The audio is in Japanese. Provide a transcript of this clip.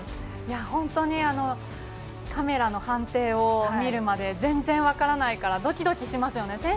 本当にカメラの判定を見るまで全然分からないからドキドキしますね。